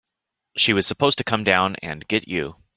She was supposed to come down and get you.